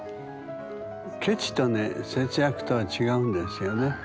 ケチとね節約とは違うんですよね。